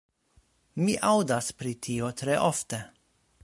Mi aŭdas pri tio tre ofte.